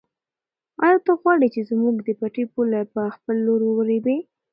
آیا ته غواړې چې زموږ د پټي پوله په خپل لور ورېبې؟